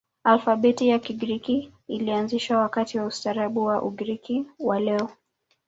Alfabeti ya Kigiriki ilianzishwa wakati wa ustaarabu wa Ugiriki wa leo.